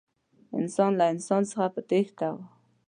انسان له انسان څخه په تېښته و.